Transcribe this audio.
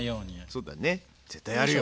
そうだね絶対やるよ。